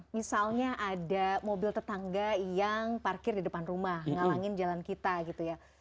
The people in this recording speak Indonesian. misalnya ada mobil tetangga yang parkir di depan rumah ngalangin jalan kita gitu ya